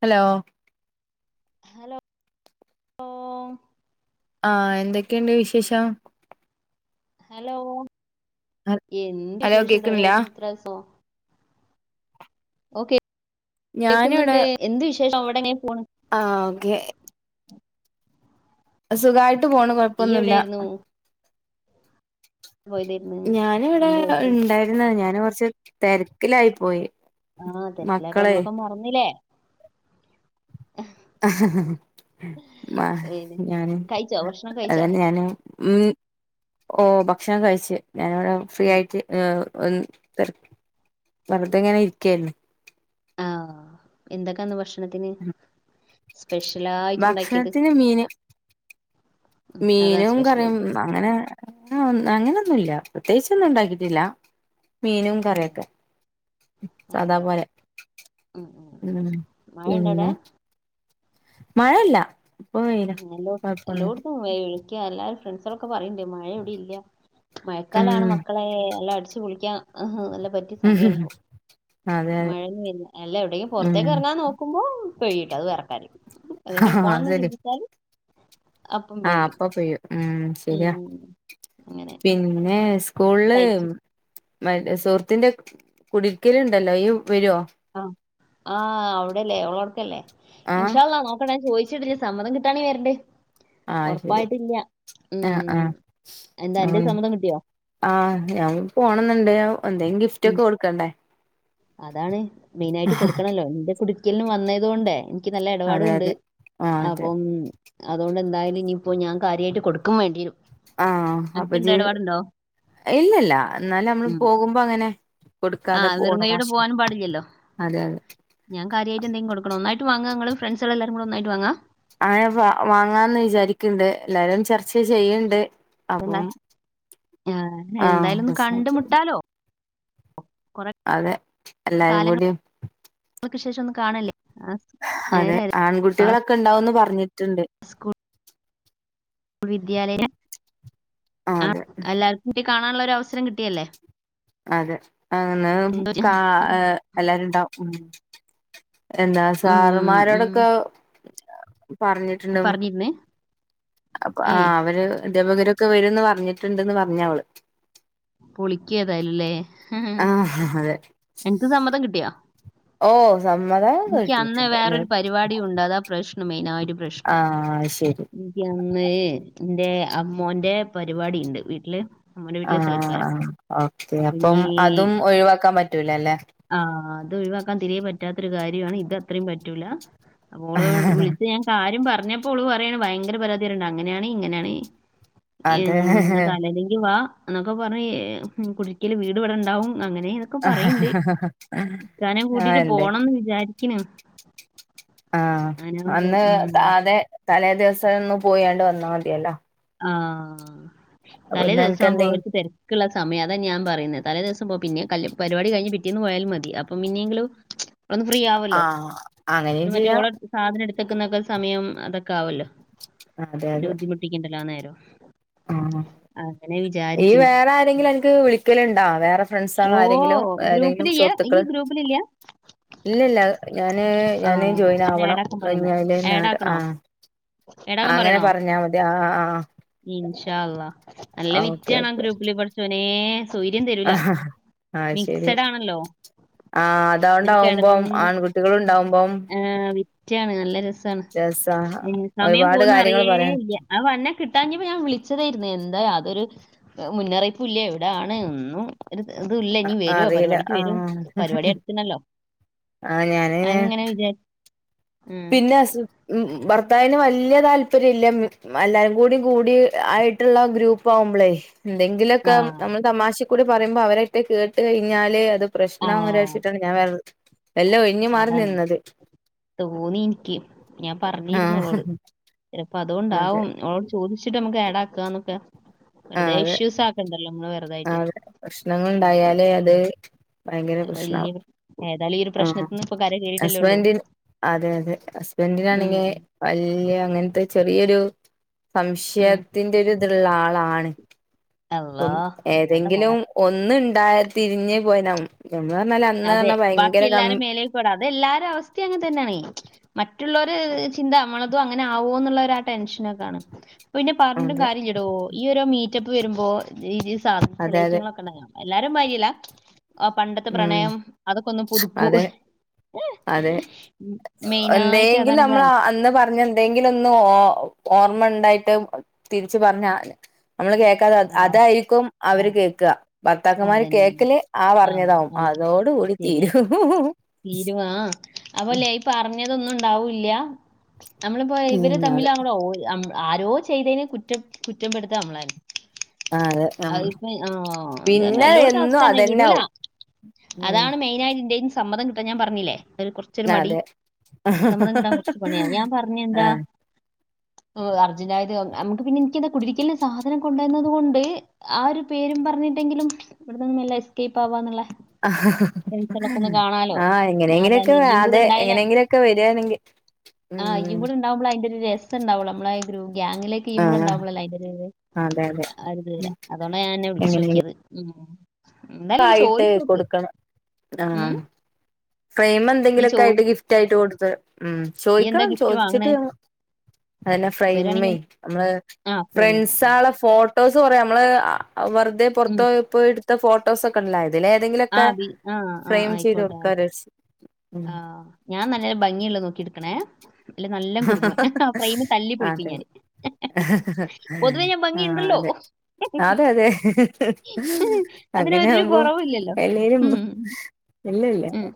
Hello hello ണ്ടോ ആഹ് എന്തൊക്കെയുണ്ട് വിശേഷം ഹലോ ഹ- എന്ത് ഹലോ വിശേഷം എവിടെ കേക്കണില്ല ആയിരുന്നു ഇത്ര ദിവസം ഓക്കേ ഞാനിവിടെ കേക്കുന്നുണ്ട് എന്ത് വിശേഷം അവിടെങ്ങ ഇപ്പൊ ആഹ് ഓക്കെ സുഖായിട്ട് പോണ് ഇയ്യ് കൊഴപ്പൊന്നുല്ല എവിടെയായിരുന്നു പോയതായിരുന്നു ഞാന് ഇവിടെ രണ്ടു ദിവസം ഉണ്ടായിരുന്ന ഞാന് കുറച്ച് തിരക്കിലായി പോയി ആഹ് തിരക്കിലായപ്പൊ മക്കളെ നമ്മളൊക്കെ മറന്നില്ലേ [inaudible] മ്മ് ഏത് ഞാനും കഴിച്ചോ ഭക്ഷണം അത് കഴിച്ചോ തന്നെ ഞാനും ഉം ഓ ഭക്ഷണം കഴിച്ചു. ഞാനിവിടെ ഫ്രീ ഉം. ആയിട്ട് ഒ വെറു വെറുതെ ഇങ്ങനെ ഇരിക്കുകയായിരുന്നു. ആഹ് എന്തൊക്കെയുണ്ട് ഭക്ഷണത്തിന് സ്പെഷ്യലായിട്ട് ഉണ്ടാക്കിയത്. ഭക്ഷണത്തിന് മീന് അതാ മീനും സ്പെഷ്യൽ കറിയും അങ്ങനെയിങ്ങനെ പോന്നു. അങ്ങനെയൊന്നുമില്ല, പ്രത്യേകിച്ച് ഒന്നും ഉണ്ടാക്കിയിട്ടില്ല. മീനും അങ്ങനെ കറിയൊക്കെ സദാപോലെ ഉം ഉം മഴ ഉണ്ടോ അവിടെ പിന്നെ മഴയില്ല ആ ലോ ലോടത്ത വ [unintelligible] എല്ലാരും ഫ്രണ്ട്സൊക്കെ പറയണുണ്ട് മഴയിവിടെയില്ല മഴക്കാലാണ് ഉം മക്കളെ എല്ലാം അടിച്ച്പൊളിക്കാം. ആഹാ നല്ല പറ്റിയ സമയമായിപ്പോ അതെ അതെ മഴന്നില്ല എല്ല എവിടേലും പുറത്തേക്ക് ഉം ഇറങ്ങാൻ നോക്കുമ്പോ പൊഴിയില്ല അത് വേറെ കാരൃം അതെവിടെയും ആഹ് പോണന്ന് ശരി ചിന്തിച്ചാലും ആഹ് അപ്പ പെയ്യും ഉം ശരിയാ ഉം അങ്ങനെ പിന്നെ സ്കൂളില് തയ്ച്ചു സുഹൃത്തിന്റെ [unintelligible] കുടരിക്കല ഉണ്ടല്ലോ ഈ ആ ആഹ് അവിടെല്ലേ അവളോടക്കല്ലേ ആഹ് ഇൻഷാള്ളാ നോക്കണേ പോയി അതിന് സമ്മതം കിട്ടാണേ വരണ്ടേ ആഹ് ശരി ഉറപ്പായിട്ടില്ല ആഹ് ഉം ആഹ് എന്താ ആഹ് എന്റെ സമ്മതം കിട്ടിയോ ആഹ് ഞാൻ പോണന്നുണ്ട് എന്തെലും ഉം. ഗിഫ്റ്റൊക്കെ കൊടുക്കണ്ടേ അതാണ് മെയിൻ ആയിട്ട് കൊടുക്കണല്ലോ. നിന്റെ കുടുക്കലിനന് വന്നത് കൊണ്ടേ എനിക്ക് നല്ല അതെ ഇടപാടുമുണ്ട് അതെ ആഹ് അതെ അപ്പം അതുകൊണ്ട് എന്തായാലും ഇനിയിപ്പോ ഞാൻ കാര്യമായിട്ട് കൊടുക്കും വേണ്ടി ആഹ് അപ്പൊ അനക്ക്ണ്ടോ ജിയും ഇടപാടുണ്ടോ? ഇല്ലല്ല എന്നാലും നമ്മള് പോകുമ്പോ അങ്ങനെ കൊടുക്കാതെ ആഹ് വെറും പോണ കൈയോടെ മോശം പോകാനും പാടില്ലല്ലോ അതെ അതെ ഞാൻ കാരൃമായിട്ട് എന്തങ്കിലും കൊടുക്കണം ഒന്നായിട്ട് വാങ്ങാം. ഞങ്ങൾ ഫ്രണ്ട്സുകളെ ല്ലാരും കൂടി ഒന്നായി്ട്ട് വാങ്ങാം. അങ്ങനെ വാങ്ങാന്ന് വിചാരിക്കണുണ്ട് എല്ലാരും ചർച്ച ചെയ്യണുണ്ട് എല്ലാ അപ്പം ഏഹ് ആഹ് എന്തായാലും [unintelligible] ഒന്ന് രസമായി കണ്ടുമുട്ടാലോ? കൊറേ അതെ എല്ലാരും കൂടി [unintelligible] ക്ക് ശേഷം ഒന്ന് കാണല്ലേ ആഹ് അതെ ഏഹ് ആൺകുട്ടികളൊക്കെ ഉണ്ടാവൂന്ന് പറഞ്ഞിട്ടുണ്ട്. സ്കൂൾ വിദ്യാലയം ആഹ് ആ അതെ എല്ലാവർക്കും വേണ്ടി കാണാനുള്ളൊരവസരം കിട്ടിയല്ലേ? അതെ അങ്ങനെ എന്തോ കാ എല്ലാരും ഇണ്ടാവും എന്താ ഉം ഉം സാറമാരോടൊക്കെ പറഞ്ഞിട്ടുണ്ട് പറഞ്ഞിരുന്നേ? ഏഹ് അവര് അധ്യാപകര് വരുവെന്ന് പറഞ്ഞിട്ടുണ്ടന്ന് പറഞ്ഞവള് പൊളിക്കിയതല്ലേ ആഹ് അതെ എനക്ക് സമ്മതം കിട്ടിയോ? ഓ സമ്മതം എനിക്ക് അന്ന് കിട്ടിയിട്ടുണ്ട് വേറൊരു എന്നോട് പരിപാടി ഉണ്ട് അതാ പ്രശ്നം മെയിനായിട്ട് ആഹ് ശരി എനിക്ക് അന്ന് എൻ്റെ അ മോന്റെ പരിപാടി ഉണ്ട് വീട്ടില് അമ്മോന്റെ ആ വീട്ടില് സൽക്കാരം ആ ഓക്കെ അപ്പൊ അപ്പം അതും ഒഴിവാക്കാൻ പറ്റൂല അല്ലെ? ആഹ് അത് ഒഴിവാക്കാൻ തിരെ പറ്റാത്തൊരു കാര്യമാണ്. ഇത് അത്രയും പറ്റൂല്ല അവള് വിളിച്ച് ഞാൻ കാര്യം പറഞ്ഞ് പറഞ്ഞപ്പോൾ ഓളു പറയുവാ ഭയങ്കര പരാതിയായിട്ടുണ്ട്. അങ്ങനെയാണ് ഇങ്ങനെയാണ് അത് എം തലെന്നെങ്കി വാ എന്നൊക്കെ പറയുവാ കുരിക്കല് വീട് ഇവിടുണ്ടാവും. അങ്ങനെ ഇതൊക്കെ പറയണുണ്ട് ആഹ് ഇക്കാനേം കൂട്ടീട്ട് ഇണ്ട് പോണന്ന് വിചാരിക്കണ് ആഹ് അങ്ങനാകുമ്പോ അന്ന് ഉം അതെ തലേ ദിവസമൊന്ന് പോയാണ്ട് വന്നാൽ മതിയല്ലോ ആഹ് അപ്പൊന്ന് അനക്ക് തലേദിവസമാവുമ്പോ എന്തെ അവന് തിരക്കുള്ള സമയം അതാ ഞാൻ പറയുന്നത്. തലേ ദിവസം പിന്നെ കല്ല് പരിപാടി കഴിഞ്ഞ് പിറ്റേന്ന് പോയാലും മതി അപ്പം പിന്നെങ്കിലും അ ഒന്ന് ഫ്രീ ആവല്ലോ ആഹ് അങ്ങനെയും ഇ മറ്റേ ചെയ്യാം ഓള സാധനം എടുത്തക്കുന്നൊക്കെ സമയം അതൊക്കെ ആവല്ലോ അതെ അതെ ല്ലാന്നം ആ ഈ വേറെ ആരെങ്കിലും എനിക്ക് വിളിക്കലുണ്ടോ വേറെ ടെ ഫ്രണ്ട്സ ആൾ ഓ ആരെങ്കിലും ഏതെങ്കിലും ഗ്രൂപ്പിലില്ല ഈ സുഹൃത്തുക്കൾ ഗ്രൂപ്പിലില്ല? ഇല്ലല്ല ഞാന് ആ ഞാന് ജോയിൻ എന്നെ ആവണം ഏടാക്കാൻ പറയുന്നേ. ല് നാട് ഏടാക്കണോ? ആഹ ഏടാക്കാൻ അങ്ങനെ പറയണോ? പറഞ്ഞാൽ മതി ആഹ ആ ഇൻഷാ നല്ല വിറ്റയാണ് ഗ്രൂപ്പില് പഠചോനെ ഒനേ സൂര്യം തരൂല മിക്സഡ് ആണല്ലോ ആഹ ഇങ്ങനെ അതാണ്ടാവുമ്പം ആൺകുട്ടികള ഉണ്ടാവുമ്പം മറ്റയാണ് നല്ല രസമാണ് രസാ സമയം ഒരുപാട് പോകന്ന് കാര്യങ്ങൾ പറയാൻ അറിയേല്ല അ വന്നെ കിട്ടാഞ്ഞപ്പോ ഞാൻ വിളിച്ചതായിുന്നേ എന്താ അ അതൊരു മുന്നറിയിപ്പ ഇല്ല എവിടാണ് ഒരു ഇത്ല്ല ഇീ വരുവ അറിയില്ല പരിപാടിക്ക് വരുവ പരിപാടി എടുത്തണല്ലോ ആഹ ഞാനനെ ഉം പിന്നെ ഉ അതതിന് വലിയ താല്പര്യംല്ലല്ല എല്ലാരും കൂടി കൂടി ആയിട്ടുള്ള ഗ്രൂപ്പ് ആവുമ്പോളേ ആ എന്തെങ്കിലൊക്കെ നമ്മൾ തമാശ കൂടി പറയുമ്പോൾ അവരൊട്ടെ കേട്ട കഴിഞ്ഞാല് അത് ആ പ്രശ്നരാഴിച്ചിട്ടാണ് ഞാൻ വേറെ എല്ലാം ഇഴിഞ്ഞഞ് മാറി അതാണ് നിന്നത് തോന്നി എനിക്ക് ഞാൻ പറഞ്ഞിരുന്നു ആഹ് അവളോട് ചിലപ്പോ അതെ അതുകൊണ്ടാവും അവട് ചോദിച്ചിട്ട് നമക്ക് ഏടാക്കാന്നൊക്കെ ആഹ് വെറുതെ അതെ ഇഷ്യൂസ് ആക്കണ്ടല്ലോ നമ്മള് വെറുതായിട്ട് അതെ പ്രശ്നങ്ങൾ ഉണ്ടായാലേ അത് ഭയങ്കര വലിയ പ്രശ്നാവും ഏതാലും ഈ ഒരു ആഹ് പ്രശ്നത്തിന്ന് ഇപ്പൊ കര കേറിയിട്ടല്ലേള്ളു ഹസ്ബൻഡി അതെ അതെ ഹസ്ബൻറിനാണെങ്കിൽ വല്യ അങ്ങനത്തെ ചെറിയൊരു ഉം സംശയത്തിന്റെ ഒരു ഇത് ആളാണ് അല്ലാ അപ്പം വേണ്ട മോളെ ഏതെങ്കിലും ഒന്ന ഉണ്ടായ തിരിഞ്ഞ് പോയന അതെ ബാക്കി എല്ലാരും മേലൽ പോടാം അതെ എല്ലാരും അവസ്ഥ അങ്ങനെ തന്നെയാണ് മറ്റുള്ളവര് ചിന്ത അവമ്മളതും അങ്ങനെ ആവോ എന്നുള്ള ആ ടെൻഷനൊക്കാണ് പിന്നെ പ അതെ അതെ അതെ എല്ലാരും വരിയില്ല ആ പണ്ടത്തെ ഉം പ്രണയം അതൊക്കെ ഒന്നും പുതുക്കൂ അതെ അതെ ഉം. മെയിനായിട്ട് എന്തെങ്കിലും അതാണ് നമ്മൾ കാര്യം. അന്ന് പറഞ്ഞ എന്തെങ്കിലും ഒന്ന് ഓർമ്മ ഉണ്ടായി് തിരിച്ചു പറഞ്ഞ നമ്മള് കേക്കാതെ ആ. അതായിരിക്കും ആ. അവര് കേൾക്കുക ഭർത്താക്കന്മാര് അതന്നെ അത്. കേൾക്കല്േആ പറ ആ. അങ്ങതാവും അതാ അതോട കൂടി ശരിയാ. തീരൂ തീരുമാ ആ. അപ്പല്ലേ ഇപ്പൊ അറിഞ്ഞതൊന്നും ഉണ്ടാവൂല്ല നമ്മളിപ്പോ ഇവരെ ഉം അതെ തമ്മിൽ അടെ ഓ ആരോ ചെയ്തതിന് കുറ്റം കുറ്റംപ്പെടുത്ത നമ്മള ആ അതെ ഉം അപ്പ ആഹ എ പിന്നെ എല്ലോടും എന്നും അവസ്ഥന്നെ വിടുൂലാ അതന്നാവും ഉം അതാണ് മെയിനായിയിട്ട്ൻന്റെയും സമ്മതം കിട്ടാൻ ഞാൻ പറഞ്ഞില്ലേ അവര് കൊറച്ചൊരു മടി അതെ സമ്മതം കിട്ടാൻ കുറച്ച പണിയാ ഞാൻ പറഞ്ഞ എന്താ അർജന്റായത് നമുക്ക് പിന്നെ എനക്ക് എന്താ കുടിരിക്കല സാധനം കൊണ്ടുവന്നത കൊണ്ട് ആ ഒരു പേരും പറഞ്ഞിട്ടെങ്കിലും ഇവിട നിന്നും എല്ല എസ്കേപ്പ് ആവാന്നുള്ളേ ആഹ ഞാൻ അതാണ് എങ്ങനെങ്കിലൊക്കെ ഈയും അതെ എങ്ങനെങ്കിലുംൊക്കെ വരികണെങ്കിൽ ആഹ് ഇഈ കൂടെ ഉണ്ടാവുമ്പോ അൻന്റെറെ ഒരു രസംണ്ടാവുള്ള നമ്മള ഒരു ഗാങ്ങിലേക്ക് ഇഈ ആ കൂടെ ഉണ്ടാവുള്ളള അോ അന്റെ അതെ അതെ ഉ അതോണ്ട ഞാൻെ വിളിച്ചു നോക്കിയത് ഉ ആയിട്ട് കൊടുക്കണം ആഹ ഉം ഫ്രേഇമേ ഈ ചോ എന്തെങ്കിലൊക്കെ ആയിട്ട് ഗിഫ്റ്റ് ആയിട്ട് കൊടുത്ത് ഉ ഈ എന്താ ചോദിക്കണം ഗിഫ്റ്റ് വാങ്ങണേ ചോദിച്ചിട്ട് അെ ഫ്രെമ വരികയാണെങ്കിൽ നമ്മള് ആ ഫ്രെയിം ഫ്രണ്ട്സ ആുള്ള ഫോട്ടോ ഫോട്ടോസ് കുറയാ നമ്മള് വെറുതെ പുറത്ത ഉം പോപ്പോയി എടുത്ത ഫോട്ടോസ് ഒക്കെ ഉണ്ടായിരുന്നു ഇതിലെ ആ തെങ്കിലൊക്കെ ബി ഫ്രെയിം ചെയ്ത് കൊടുക്കാചാരിച് ആഹ് ഞാൻ നലൊരു ഭംഗിയ്‌ള്ളത് നോക്കി എടുക്കണേ അല്ല നല്ല കുടുങ്ങും ഹആ ഫ്രയിമ് തല്ലി പൊളിക്കും അതെ ഞാാന്. ഹ ഹ ഹ പൊതുവേ ഞാൻ ആഹ് ഭംഗിയുണ്ടല്ലോ. അതെ അതെ അങ്ങനെയ അതിനൊരു ആകുമ്പോ കുറവില്ലല്ലോ എല്ലരും ഉം ഇല്ല ഇല്ല ഉം.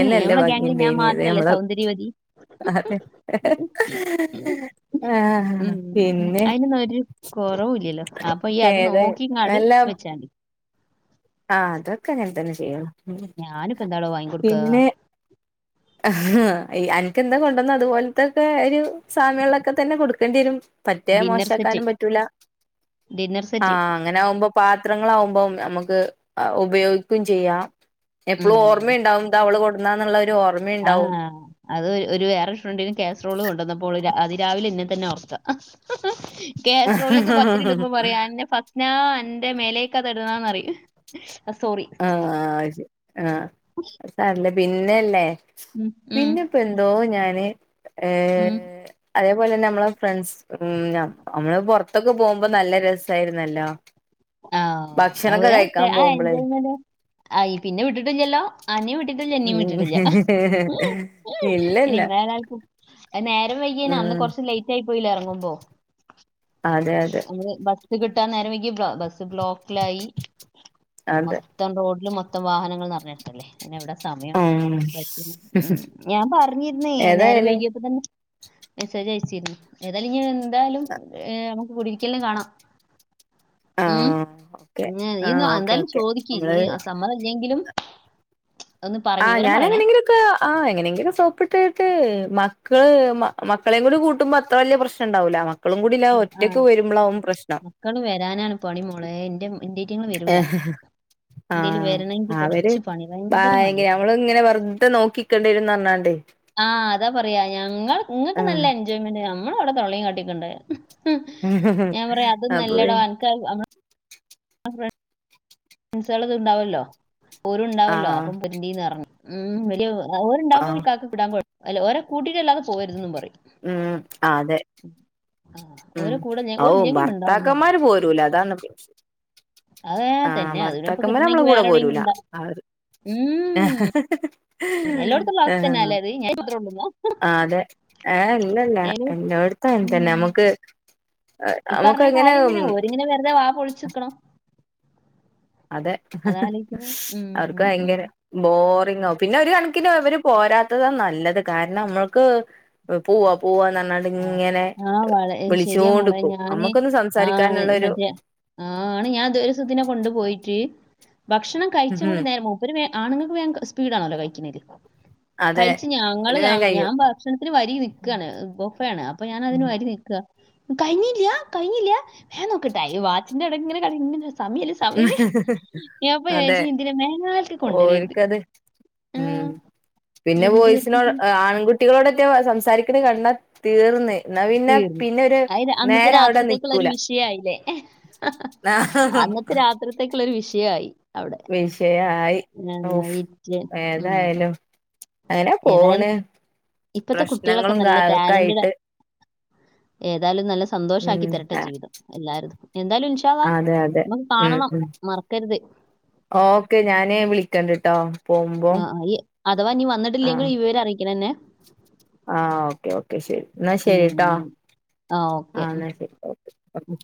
ഏ നമ്മളെ ഗാംഗിൽ ഭംഗിയണ്ട ഞാൻ ഇനത് മാത്രല്ലേ നമ്മള സൗന്ദര്യവതി അതെ ആ ഉം അയിനൊന്നും ഒരു കൊറവുല്ലല്ലോ അപ്പൊ ഈ അത് ഏത് നോക്കിങ്ങാണ്ട് അല്ല വെച്ചാതി. ആഹ് അതൊക്കെ അങ്ങനെതന്നെ ചെയ്യ ഞാനിപ്പൊ എന്താടോ വാങ്ങിക്കൊടുക്ക. അഹ അനക്കെന്താ കൊണ്ടുവന്ന അതുപോലതൊക്കെ ഒരു സാമ്യള്ളൊക്കെ തന്നെ കൊടുക്കേണ്ട്യരും. പറ്റേ ഡിന്നർ സെറ്റ് മോശക്കാനും പറ്റൂല ഡിന്നർ ആഹ സെറ്റ് അങ്ങനെകുമ്പോ പാത്രങ്ങളാവുമ്പം ഞമ്മക്ക് ഉപയോഗിക്കും ചെയ്യാ എപ്പോളും ഓമ്മയുണ്ടാവും ത അവള് കൊടുന്നാന്നുള്ള ഒരു ഓർ ആഹ അത് ഒരുരു വേറൊരു ഫ്രണ്ടിന് കാസറോളു കൊണ്ടന്നപ്പോൾ ഓൾ രാവിലെ ഇന്നെ തന്നെ ഓർക്ക കസ്രോളിലേക്ക് പത്തിരി ഇടുമ്പോ പറയും ഫസ്നാ ഇന്റെ മേലേക്കത് ഇടണന്ന്റി ആഹ ശ ആഹ സാരല്ല പിന്നെല്ലേ ഉം ഉം പിന്നെപ്പോ എന്തോ ഞാന് ഏ ഉം അതേപോലെന്നെ നമ്മളെ ഫ്രണ്ട്സ് ഉം നമ്മള് പൊർ ഇത്തൊക്കെ പോകുമ്പോ നല്ല രസായിരുന്നല്ലോ ഭക്ഷണൊക്കെ കഴിക്കാൻ പോകുമ്പളേ ആയ്‌ പിന്നെ വിട്ടിട്ടില്ലല്ലോ അന്നിം വിട്ട്ട്ട് ല്ല ഇന്നിം ഉം വിട്ട്ട്ട് ല്ല. ഇനി ഇല്ലല്ല [unintelligible] വരം വൈകേന അന്ന് ഉം കുറച്ച് ലേറ്റ് ആയി പോയില്ലെ എർങ്ങുമ്പോ അതെ അതെ ഇത് കിട്ടാൻ നേരം വൈകി ബസ് ബ്ലോക്കിലായി അതെ മൊത്തം റോഡിലും മൊത്തം വാഹനങ്ങ നിറഞ്ഞെടുത്തല്ലേ. പിന്നെ എവടെ സമയം ഉം ഉം ഞാൻ പറഞ്ഞിരുന്നേ നേരെം ഏതായാലും വൈകിയപ്പോ തന്നെ മെസേജ് അയച്ചിരുന്നു ഏതായാലും ഇഞ് എന്തായാലും ഏ നമുക്ക് കൂടി [unintelligible] കാണാം ഉം ആഹ് ഓക്കെ മം നീ ആഹ് ഓക്കെ എന്തായാലും ഓക്കെ ചോദിക്കി നമ്മള് നി സമ്മതം ഇല്ലെങ്കിലും ഒന്ന് പറ ആഹ് വിവരം പറയണേ ഞാനെങ്ങനെങ്കിലൊക്കെ ആഹ് എങ്ങനെങ്കിലൊക്കെ സോപ്പിട്ട്ട്ട് [unintelligible] മക്കള് മക്കളെയും കൂടി കൂട്ടുമ്പോ അത്ര വല്യ പ്രശ്നണ്ടാവൂല ആഹ മക്കള് വരാനാണ് പണിമോളെ ഇന്റെ ഇന്റെറ്റങ്ങൾ വരൂല ഏഹ് എന്തേലും ആഹ് വരണമെങ്കിൽ അവര് കുറച്ച് പണി ഭയങ്കര ഭയ [unintelligible] മടിയാ നമ്മള ഇങ്ങനെ വെർതെ നോക്കിക്കേണ്ടിരും പറഞ്ഞണ്ട് ആഹ് അതാ പറയാ ഞങ്ങൾ ഇൻ ങ്ങക്ക് ആഹ് നല്ല എൻജോയ്മെന്റ് നമ്മള അവടെ തൊള്ളീം കാട്ടിനിക്കണ്ടേ. ഉ ഞാൻ പറയാ അതു അപ്പൊ പി നല്ലടോ [unintelligible] ഫ്രണ്ട് സെളത് ഇണ്ടവല്ലോ രും ഉണ്ടാവല്ലോ ആഹ് അപ്പം [unintelligible] പറഞ്ഞു ഉം ആഹ് [unintelligible] പോയരുതെന്നും പറയും ഉം അതെ ആ, ഉം ഓരെ കൂടെ ഞാൻ ഔ ഒരില്ലെങ്കിൽ ഉണ്ടാവും ഭർത്താക്കന്മാര് പോരൂല അതാണ് അതേ ആഹ തന്നെ അതിനൊക്കെ ഭർത്താക്കന്മാരെ നമ്മള കിട്ടണമെങ്കിൽ കൂടെ വേറെ പോരൂല എവിടെയെങ്കിലും ഉണ്ടാവും ആ ഉം എല്ലായിടത്തുള്ള ആ അവസ്ഥ തന്നെ അല്ലേ അത് ഞാൻ മാത്രമേ ഉള്ളൂ ആ അതെ ഏ അല്ലല്ല ഏത്? എ [inaudible] തന്നെ നമുക്ക് ഇ നമുക്ക് പറഞ്ഞ അങ്ങനെ കാര്യം തന്നെ ഓരിങ്ങനെ വെറുതെ വാ പോളിചിക്കണം. അതെ ഉം അവർക്ക് ഉം ഭയങ്കര ബോറിങ് ആകും പിന്നെ ഒരു [inaudible] [unintelligible] അവര് പോരാത്തതാ നല്ലത് കാരണം നമ്മക്ക് പോവാ പോവാ ന്നാണ്ട് ആ ഇങ്ങനെ ആ വള ഏ, ശരിയാ വിളിച്ചോണ്ട് മോളെ ക്കും ഞാന് നമ്മുക്കൊന്ന് ആ സംസാരിക്കാനുള്ളരു മറ്റേ ആണ് ഞാൻ ദ ഒരൂ സം ദി നെ കൊണ്ടു പോയി. ഭക്ഷണം കഴിച്ച ഉം കൂടി നേര മൂപ്പര് മെം ആണുങ്ങക്ക് ഭയങ്കര സ്പീഡണല്ലോ കഴിക്കുന്നേൽ. അതെ കയ്‌ച്ച് ഞങ്ങള് ഓല് ആ വേം ഞാൻ കയ്യും ഭക്ഷണത്തിന് വരി നിക്കാണ് ഇപ്പൊ പ്പഴാണ് അപ്പൊ ഞാനതിന് വരി നിൽക്കാ കൈഞ്ഞില്ല്യ കൈഞ്ഞില്ല്യ വേം നോക്ക് ടൈ വാച്ചിന്റെ എടെ ഇങ്ങനെ [unintelligible] സമയില് സമയില് അതെ [unintelligible] മേലാൽക്ക് കൊണ്ടരര്ത് ഓര്ക്കത് ഉം പിന്നെ വോയിസിനോട് വെറുപ്പിക്കല്. ആൺകുട്ടി കുട്ടികളോടേറ്റെ വ സംസാരിക്ക്ണ കണ്ടാതീർന്ന് ന്നാ പിന്നെ തീർന്നു. പിന്നൊരു അതായത് അന്നത്തെ നേര അവടെ രാത്രിത്തേക്കുള്ള ഒരു നിക്കൂല വിഷയായില്ലേ. ആഹ് രാത്രിത്തേക്കുള്ളൊരു വിഷയായി അവടെ വിഷയായി ഞങ്ങ ഓഫ് വിറ്റ് ഉം ഏതായാലും അങ്ങനെ പോണ് ഏതായാലും ഇപ്പത്തെ കുട്ട്യേളൊക്കെ പ്രശ്നങ്ങളും നല്ല ഒക്കെ ടാലന്റഡ് ആയിട്ട് ഏതായാലും നല്ല ഉം സന്തോഷാക്കി തരട്ടെ ജീവിതം എല്ലാരും എന്തായാലും ഇൻഷാല്ലാഹ് അതെ അതെ നമക്ക് ഉം കാണണം ഉം മറക്കര്ത് ഓക്കെ ഞാന് വിളിക്കണ്ട്ട്ടൊ പോവുംമ്പൊ ആ ആ ഈ അഥവാ ന്നി വന്നിട്ടില്ലെങ്കിൽ വിവരം അറിയിക്കണെ എന്നെ ആ ഓക്കെ ഓക്കെ ശരി ന്നാ ശരിട്ടൊ ഉം ആ ന്നാ ശരി ഓക്കെ ഓക്കേ